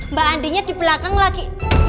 mbak andinya di belakang lagi